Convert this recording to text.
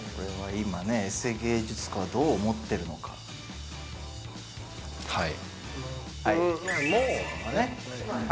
今ねエセ芸術家はどう思ってるのかはいうんいや